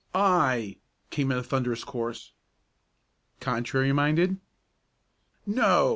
"Aye!" came in a thunderous chorus. "Contrary minded " "No!"